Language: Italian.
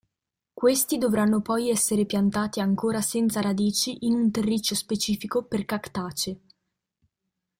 Questi dovranno poi essere piantati ancora senza radici in un terriccio specifico per cactaceae.